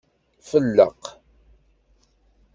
Felleq.